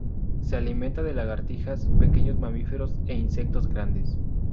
Se alimenta de lagartijas, pequeños mamíferos e insectos grandes.